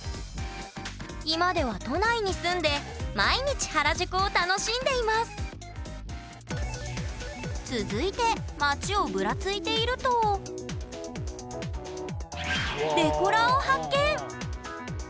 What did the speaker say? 今では都内に住んで毎日原宿を楽しんでいます続いて街をブラついているとデコラーを発見！